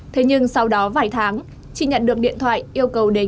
thế nhưng sau đó vài tháng chị nhận được điện thoại yêu cầu đến